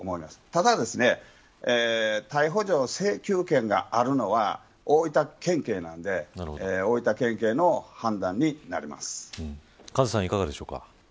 ただ、逮捕状請求権があるのは大分県警なのでカズさん、いかがでしょうか。